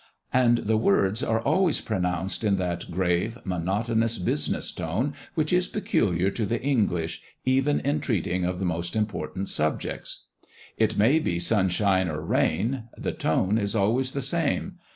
And the words are always pronounced in that grave, monotonous, business tone which is peculiar to the English even in treating of the most important subjects. It may be sunshine or rain, the tone is always the same.